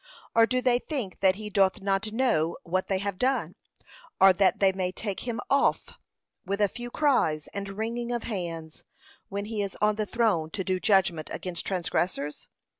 Or do they think that he doth not know what they have done, or that they may take him off with a few cries and wringing of hands, when he is on the throne to do judgment against transgressors?